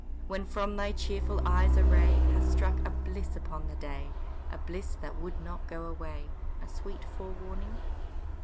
When from thy cheerful eyes a ray Hath struck a bliss upon the day, A bliss that would not go away, A sweet forewarning?"